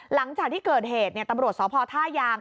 หลังจากที่เกิดเหตุตำรวจสพท่ายาง